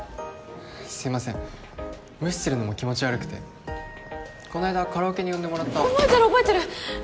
すいません無視するのも気持ち悪くてこの間カラオケに呼んでもらった覚えてる覚えてる！